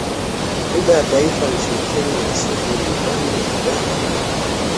Lugha ya taifa, nchini Kenya ni Kiswahili; Uganda ni Kiganda.